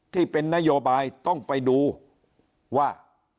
ที่เป็นนโยบายต้องไปดูว่า